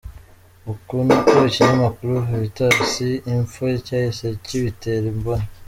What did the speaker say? Uku niko ikinyamakuru Veritas.info cyahise kibitera imboni.